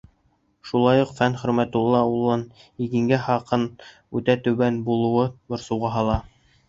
Шулай уҡ Фән Хөрмәтулла улын игенгә хаҡтың үтә түбән булыуы борсоуға һала.